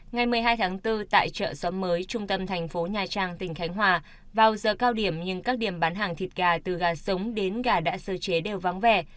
ngày một mươi hai tháng bốn tại chợ xóm mới trung tâm thành phố nha trang tỉnh khánh hòa vào giờ cao điểm nhưng các điểm bán hàng thịt gà từ gà sống đến gà đã sơ chế đều vắng vẻ